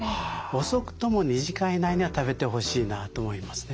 遅くとも２時間以内には食べてほしいなと思いますね。